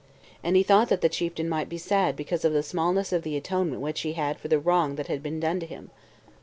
And he thought that the chieftain might be sad because of the smallness of the atonement which he had for the wrong that had been done him.